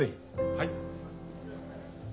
はい。